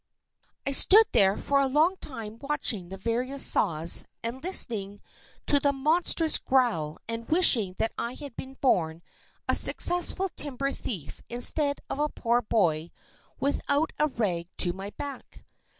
I stood there for a long time watching the various saws and listening to the monstrous growl and wishing that I had been born a successful timber thief instead of a poor boy without a rag to my back.